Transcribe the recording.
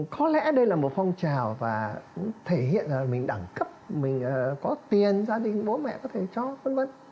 có lẽ đây là một phong trào và thể hiện là mình đẳng cấp mình có tiền gia đình bố mẹ có thể cho v v